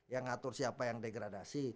yang ngatur siapa yang degradasi